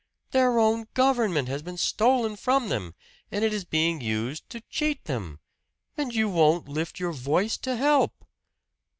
Their own government has been stolen from them, and is being used to cheat them! And you won't lift your voice to help!"